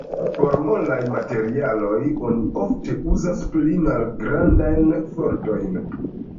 Por molaj materialoj oni ofte uzas pli malgrandajn fortojn.